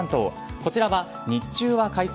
こちらは日中は快晴。